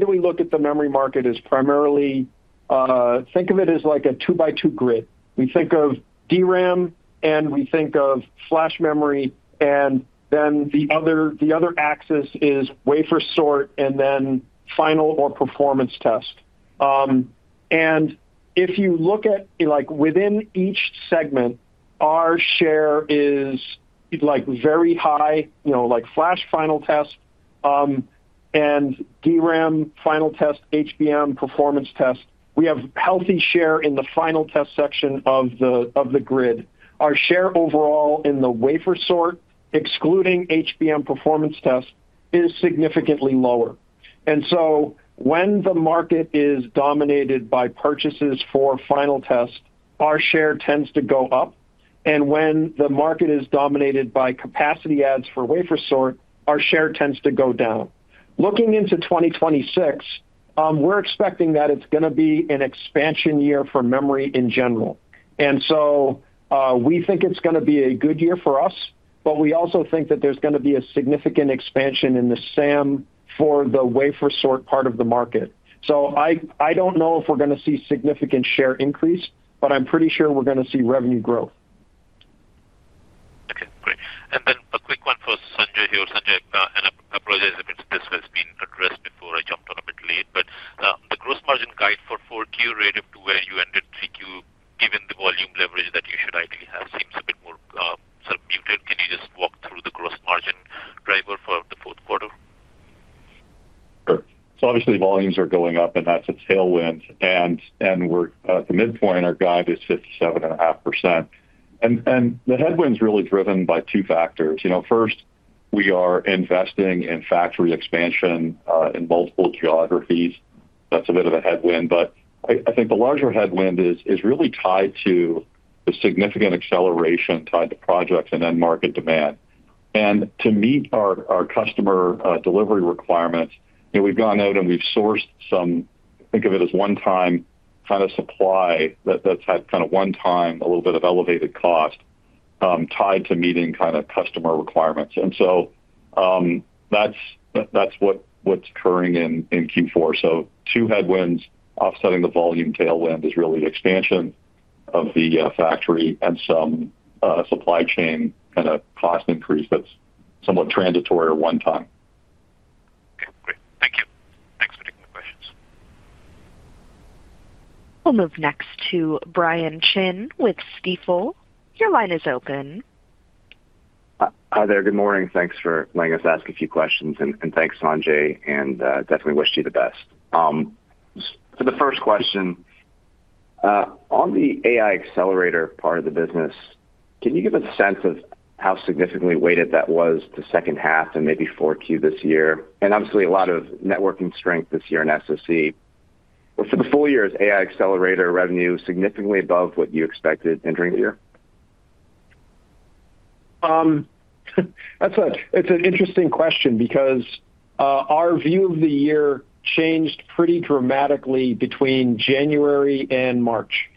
[SPEAKER 3] we look at the memory market is primarily think of it as like a two by two grid. We think of DRAM and we think of flash memory, and then the other axis is wafer sort and then final or performance test. If you look at within each segment, our share is very high. You know, like flash final test and DRAM final test, HBM performance test. We have healthy share in the final test section of the grid. Our share overall in the wafer sort excluding HBM performance test is significantly lower. When the market is dominated by program purchases for final test, our share tends to go up. When the market is dominated by capacity adds for wafer sort, our share tends to go down. Looking into 2026, we're expecting that it's going to be an expansion year for memory in general, and we think it's going to be a good year for us. We also think that there's going to be a significant expansion in the SAM for the wafer sort part of the market. I don't know if we're going to see significant share increase, but I'm pretty sure we're going to see revenue growth.
[SPEAKER 10] Okay, great. A quick one for Sanjay here. Sanjay, I apologize if this has been addressed before. I jumped on a bit late, but the gross margin guide for 4Q relative to where you ended 3Q given the volume leverage that you should ideally have seems a bit more muted. Can you just walk through the gross margin driver for the full quarter?
[SPEAKER 4] Volumes are going up and that's a tailwind, and we're at the midpoint. Our guide is 57.5%. The headwinds are really driven by two factors. First, we are investing in factory expansion in multiple geographies. That's a bit of a headwind, but I think the larger headwind is really tied to the significant acceleration tied to projects and end market demand. To meet our customer delivery requirements, we've gone out and we've sourced some, think of it as one-time kind of supply, that's had kind of one-time, a little bit of elevated cost tied to meeting customer requirements. That's what's occurring in Q4. Two headwinds offsetting the volume tailwind are really expansion of the factory and some supply chain kind of cost increase that's somewhat transitory or one-time.
[SPEAKER 10] Okay, great. Thank you. Thanks for taking the questions.
[SPEAKER 1] We'll move next to Brian Chin with Stifel. Your line is open.
[SPEAKER 11] Hi there. Good morning. Thanks for letting us ask a few questions. Thanks Sanjay, and definitely wish you the best. For the first question on the accelerator part of the business, can you give a sense of how significantly weighted that was the second half and maybe 4Q this year? Obviously a lot of networking strength this year in SoC for the full year. Is AI accelerator revenue significantly above what you expected entering the year?
[SPEAKER 3] It's an interesting question because our view of the year changed pretty dramatically between January and March.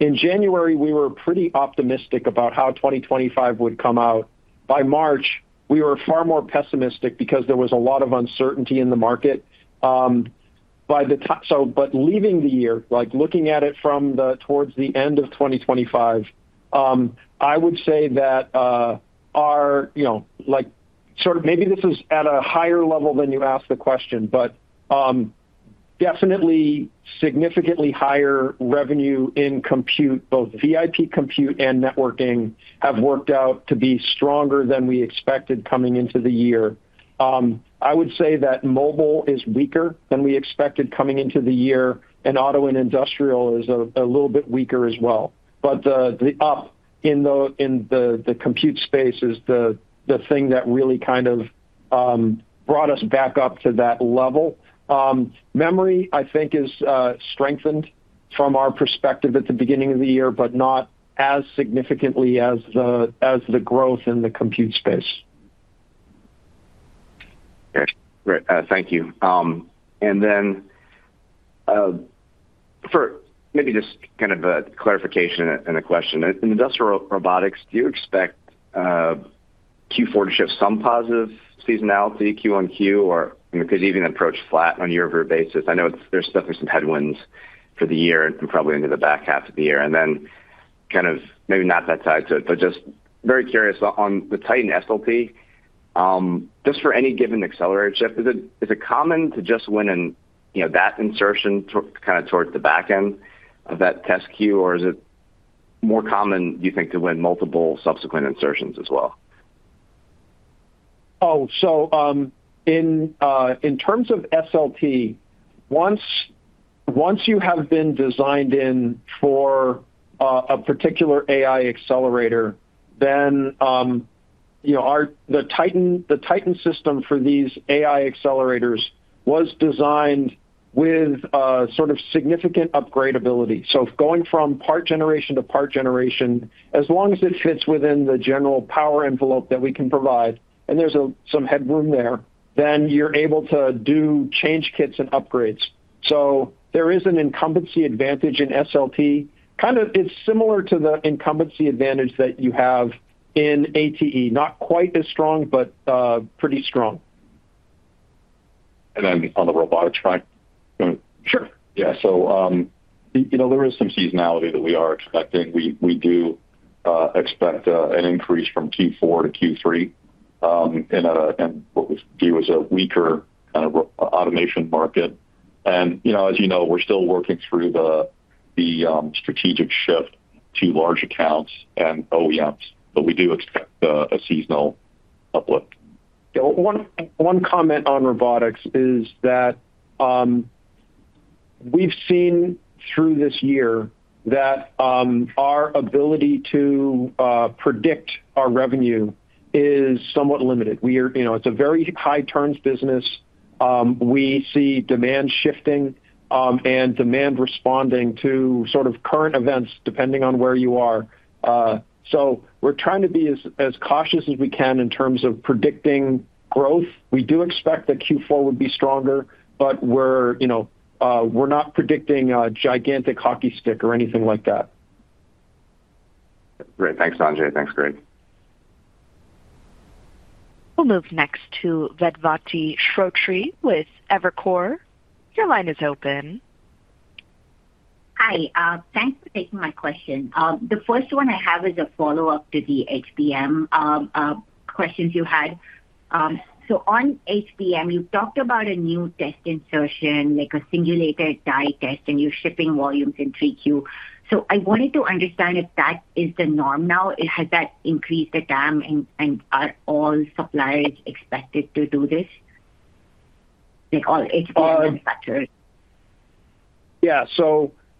[SPEAKER 3] In January we were pretty optimistic about how 2025 would come out. By March we were far more pessimistic because there was a lot of uncertainty in the market by that time. Leaving the year, looking at it from towards the end of 2025, I would say that, you know, maybe this is at a higher level than you asked the question, but definitely significantly higher. Revenue in compute, both VIP compute and networking, have worked out to be stronger than we expected coming into the year. I would say that mobile is weaker than we expected coming into the year, and auto and industrial is a little bit weaker as well. The up in the compute space is the thing that really kind of brought us back up to that level. Memory I think is strengthened from our perspective at the beginning of the year, but not as significantly as the growth in the compute space.
[SPEAKER 11] Thank you. For maybe just kind of a clarification and a question. In industrial robotics, do you expect Q4 to show some positive seasonality, Q1 Q or because even approach flat on a year-over-year basis? I know there's definitely some headwinds for the year and probably into the back half of the year. Very curious on the tighten SLP just for any given accelerator chip, is it common to just win in that insertion kind of towards the back end of that test queue, or is it more common, you think, to win multiple subsequent insertions as well?
[SPEAKER 3] In terms of SLT, once you have been designed in for a particular AI accelerator, then the titan system for these AI accelerators was designed with significant upgradeability. Going from part generation to part generation, as long as it fits within the general power envelope that we can provide and there's some headroom there, you're able to do change kits and upgrades. There is an incumbency advantage in SLT. It's similar to the incumbency advantage that you have in ATE, not quite as strong, but pretty strong.
[SPEAKER 4] On the robotics front.
[SPEAKER 3] Sure, yeah.
[SPEAKER 4] There is some seasonality that we are expecting. We do expect an increase from Q4-Q3 in what we view as a weaker kind of automation market. As you know, we're still working through the strategic shift to large accounts and OEMs, but we do expect a seasonal uplift.
[SPEAKER 3] One comment on robotics is that we've seen through this year that our ability to predict our revenue is somewhat limited. It's a very high turns business. We see demand shifting and demand responding to current events depending on where you are. We are trying to be as cautious as we can in terms of predicting growth. We do expect that Q4 would be stronger. We're not predicting a gigantic hockey stick or anything like that.
[SPEAKER 11] Great. Thanks, Sanjay. Thanks, Greg.
[SPEAKER 1] Move next to Vedvati Shrotre with Evercore. Your line is open.
[SPEAKER 12] Hi. Thanks for taking my question. The first one I have is a follow up to the HBM questions you had. On HBM, you talked about a new test insertion, like a singulated die test, and you're shipping volumes in 3Q. I wanted to understand if that is the norm now. Has that increased the demand and are all suppliers expected to do this?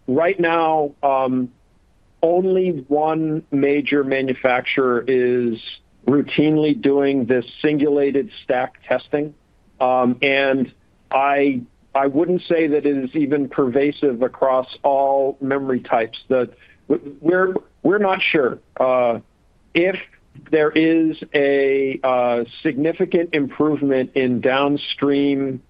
[SPEAKER 3] Right now only one major manufacturer is routinely doing this singulated stack HBM testing. I wouldn't say that it is even pervasive across all memory types. We're not sure if there is a significant improvement in downstream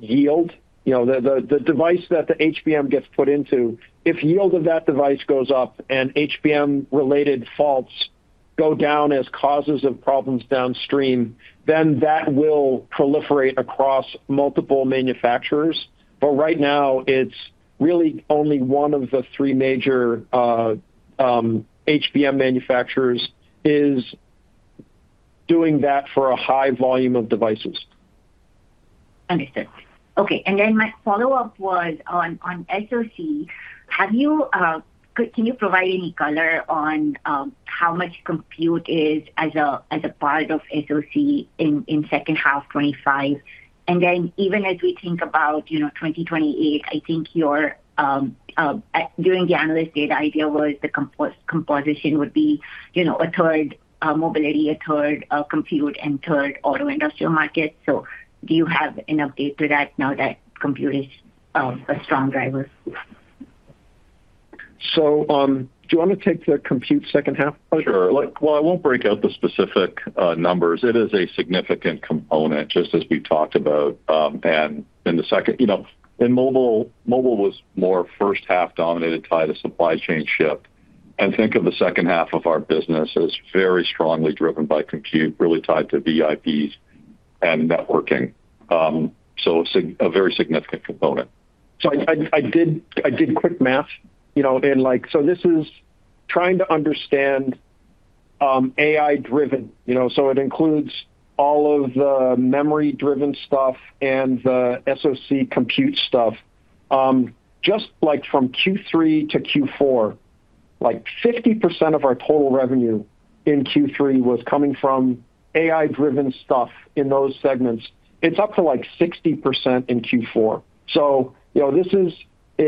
[SPEAKER 3] yield, you know, the device that the HBM gets put into. If yield of that device goes up and HBM related faults go down as causes of problems downstream, then that will proliferate across multiple manufacturers. Right now it's really only one of the three major HBM manufacturers is doing that for a high volume of devices.
[SPEAKER 12] Understood. Okay. My follow up was on SoC. Can you provide any color on how much compute is as a part of SoC in the second half of 2025? Even as we think about 2028, I think during the analyst day the idea was the composition would be a third mobility, a third compute, and a third auto industrial market. Do you have enough data now that compute is a strong driver?
[SPEAKER 3] Do you want to take the compute second half?
[SPEAKER 4] Sure. I won't break out the specific numbers. It is a significant component just as we talked about. In the second, you know, in mobile, mobile was more first half dominated, tied to supply chain shift. Think of the second half of our business as very strongly driven by compute, really tied to VIP and networking. A very significant component.
[SPEAKER 3] I did quick math, you know, this is trying to understand AI driven, you know, so it includes all of the memory driven stuff and the SoC compute stuff. Just like from Q3-Q4, 50% of our total revenue in Q3 was coming from AI driven stuff in those segments. It's up to 60% in Q4. This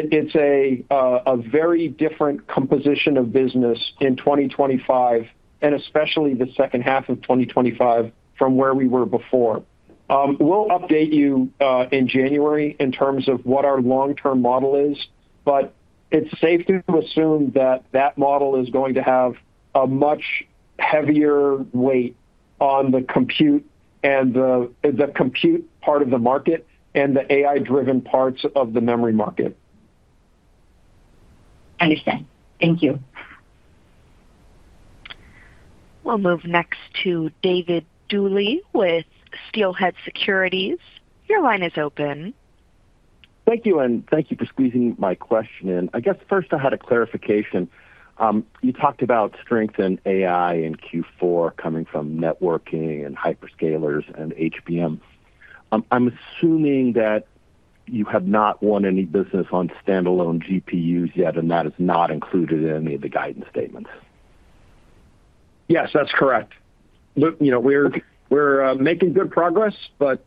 [SPEAKER 3] is a very different composition of business in 2025 and especially the second half of 2025 from where we were before. We'll update you in January in terms of what our long term model is. It's safe to assume that model is going to have a much heavier weight on the computer and the compute part of the market and the AI driven parts of the memory market.
[SPEAKER 12] Thank you.
[SPEAKER 1] We'll move next to David Duley with Steelhead Securities. Your line is open.
[SPEAKER 13] Thank you. Thank you for squeezing my question in. I guess first I had a clarification. You talked about strength in AI in Q4 coming from networking and hyperscalers and HBM. I'm assuming that you have not won any business on standalone GPUs yet, and that is not included in any of the guidance statements.
[SPEAKER 3] Yes, that's correct. We're making good progress, but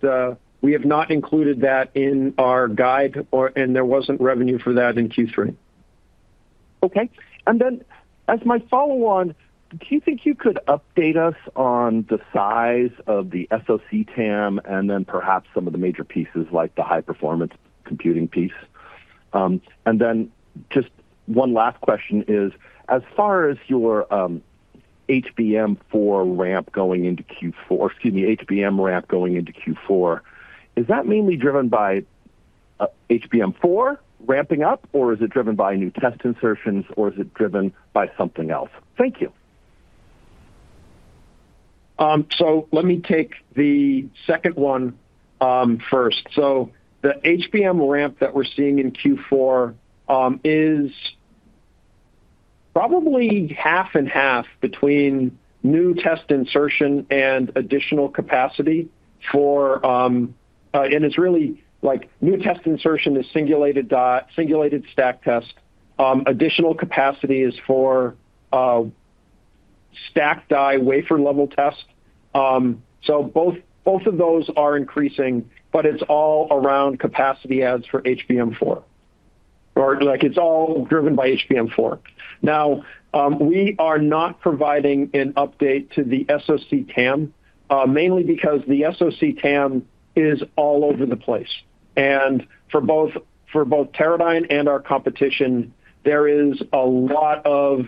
[SPEAKER 3] we have not included that in our guide, and there wasn't revenue for that in Q3.
[SPEAKER 13] Okay. As my follow on, do you think you could update us on the size of the SoC TAM and then perhaps some of the major pieces like the high performance computing piece. Just one last question is as far as your HBM4 ramp going into Q4, excuse me, HBM ramp going into Q4, is that mainly driven by HBM ramping up, or is it driven by new test insertions, or is it driven by something else? Thank you.
[SPEAKER 3] Let me take the second one first. The HBM ramp that we're seeing in Q4 is probably half and half between new test insertion and additional capacity, and it's really like new test insertion is singulated stack test, additional capacity is for stack die wafer level test. Both of those are increasing, but it's all around capacity. As for HBM4, it's all driven by HBM4. We are not providing an update to the SoC TAM mainly because the SoC TAM is all over the place. For both Teradyne and our competition, there is a lot of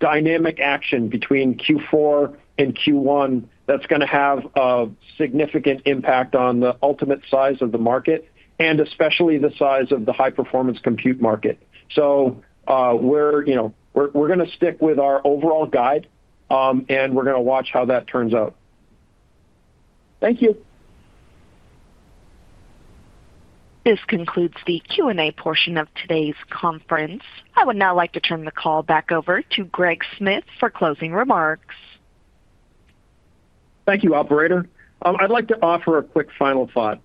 [SPEAKER 3] dynamic action between Q4 and Q1 that's going to have a significant impact on the ultimate size of the market, and especially the size of the high performance compute market. We're going to stick with our overall guide and we're going to watch how that turns out.
[SPEAKER 13] Thank you.
[SPEAKER 1] This concludes the Q&A portion of today's conference. I would now like to turn the call back over to Greg Smith for closing remarks.
[SPEAKER 3] Thank you, operator. I'd like to offer a quick final thought.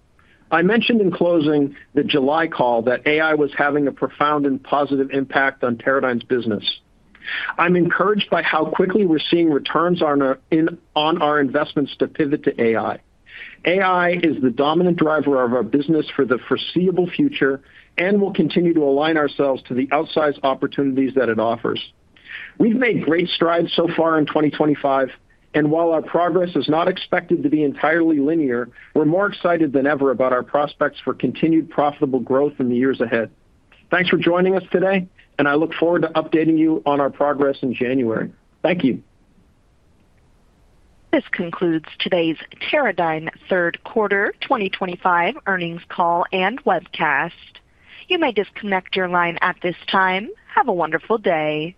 [SPEAKER 3] I mentioned in closing the July call that I was having a profound and positive impact on Teradyne's business. I'm encouraged by how quickly we're seeing returns on our investments to pivot to AI. AI is the dominant driver of our business for the foreseeable future, and we'll continue to align ourselves to the outsized opportunities that it offers. We've made great strides so far in 2025, and while our progress is not expected to be entirely linear, we're more excited than ever about our prospects for continued profitable growth in the years ahead. Thanks for joining us today and I look forward to updating you on our progress in January. Thank you.
[SPEAKER 1] This concludes today's Teradyne third quarter 2025 earnings call and webcast. You may disconnect your line at this time. Have a wonderful day.